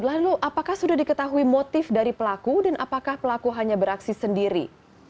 lalu apakah sudah diketahui motif dari pelaku dan apakah pelaku hanya beraksi sendiri